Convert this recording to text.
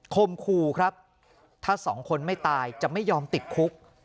คมคู่ครับถ้าสองคนไม่ตายจะไม่ยอมติดคุก